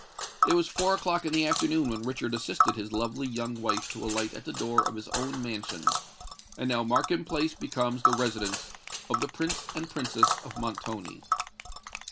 It was four o'clock in the afternoon when Richard assisted his lovely young wife to alight at the door of his own mansion; and now Markham Place becomes the residence of the Prince and Princess of Montoni.